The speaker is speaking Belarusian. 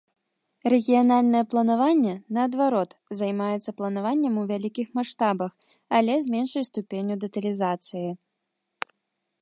Рэгіянальнае планаванне, наадварот, займаецца планаваннем у вялікіх маштабах, але з меншай ступенню дэталізацыі.